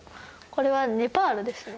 これはネパールですね。